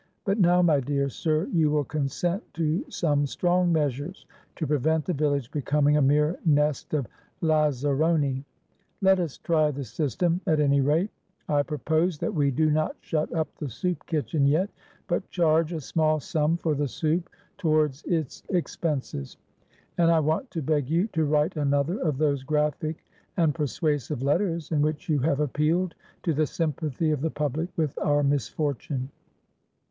But now, my dear sir, you will consent to some strong measures to prevent the village becoming a mere nest of lazzaroni? Let us try the system at any rate. I propose that we do not shut up the soup kitchen yet, but charge a small sum for the soup towards its expenses. And I want to beg you to write another of those graphic and persuasive letters, in which you have appealed to the sympathy of the public with our misfortune."